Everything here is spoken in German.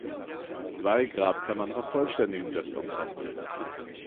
Zwei Grabkammern vervollständigen das Ensemble.